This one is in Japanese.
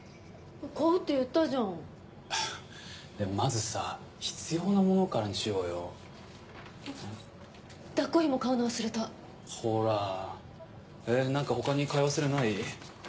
買うって言ったじゃまずさ必要なものからにしようよあっ抱っこひも買うの忘れたほら何か他に買い忘れない？